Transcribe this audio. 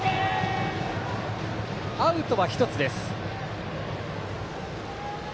アウトは１つです。